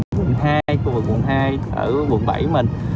quận hai khu vực quận hai ở quận bảy mình